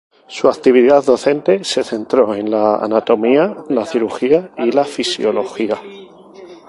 Su actividad docente se centró en la anatomía, la cirugía y la fisiología.